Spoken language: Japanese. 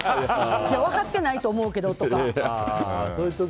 分かってないと思うけどとか。